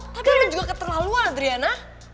tapi lo juga ketelaluan adriana